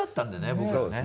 僕らはね。